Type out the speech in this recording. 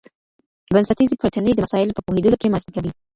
بنسټیزي پلټني د مسایلو په پوهیدلو کي مرسته کوي.